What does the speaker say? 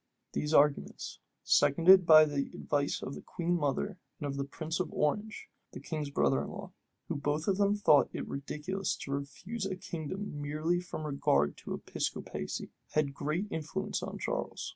These arguments, seconded by the advice of the queen mother and of the prince of Orange, the king's brother in law, who both of them thought it ridiculous to refuse a kingdom merely from regard to Episcopacy, had great influence on Charles.